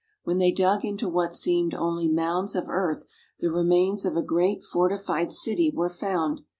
When they dug into what seemed only mounds of earth the remains of a great fortified city were found.